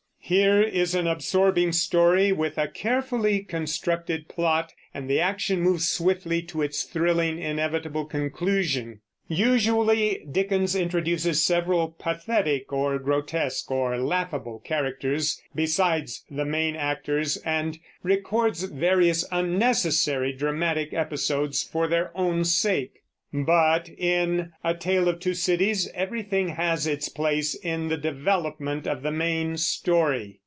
Here is an absorbing story, with a carefully constructed plot, and the action moves swiftly to its thrilling, inevitable conclusion. Usually Dickens introduces several pathetic or grotesque or laughable characters besides the main actors, and records various unnecessary dramatic episodes for their own sake; but in A Tale of Two Cities everything has its place in the development of the main story.